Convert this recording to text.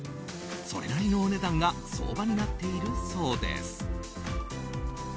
それなりのお値段が相場になっているそうです。